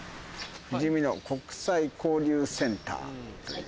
「ふじみの国際交流センター」。